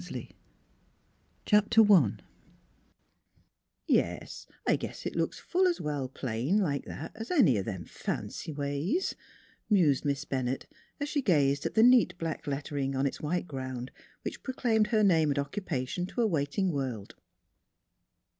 NEIGHBORS 21306G5 I ""^t7"ES; I guess it looks full es well plain, like that, es any o' them fancy ways," mused Miss Bennett, as she gazed at the neat black lettering on its white ground which pro claimed her name and occupation to a waiting world.